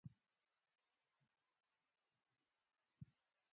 په ژوند کښي باید د هر مشکل سره مقاومت وکو.